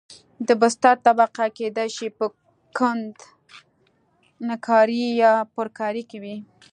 د بستر طبقه کېدای شي په کندنکارۍ یا پرکارۍ کې وي